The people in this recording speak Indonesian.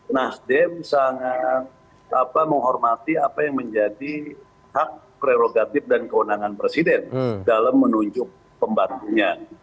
nasdem sangat menghormati apa yang menjadi hak prerogatif dan kewenangan presiden dalam menunjuk pembantunya